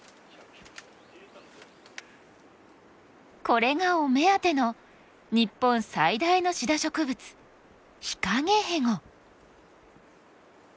これがお目当ての日本最大のシダ植物ヒカゲヘゴ。